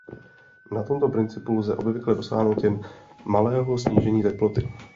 Na tomto principu lze obvykle dosáhnout jen malého snížení teploty.